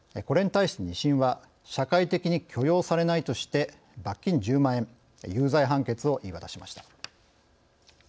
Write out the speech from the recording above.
これに対して、２審は社会的に許容されないとして罰金１０万円、有罪判決を言い渡しました。